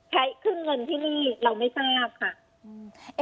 ครึ่งเงินที่นี่เราไม่ทราบค่ะ